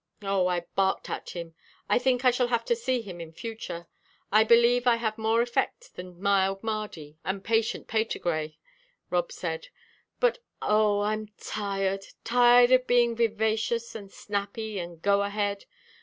"Oh, I barked at him. I think I shall have to see him in future; I believe I have more effect than mild Mardy and patient Patergrey," Rob said. "But, oh, I'm tired tired of being vivacious and snappy and go ahead.